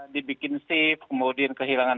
dibikin safe kemudian kehilangan